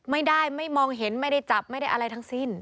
ไม่ได้ไม่มองเห็นไม่ได้จับไม่ได้อะไรทั้งสิ้น